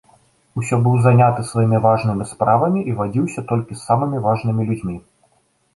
Усё быў заняты сваімі важнымі справамі і вадзіўся толькі з самымі важнымі людзьмі.